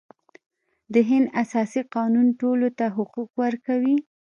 د هند اساسي قانون ټولو ته حقوق ورکوي.